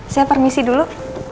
saya permisi dulu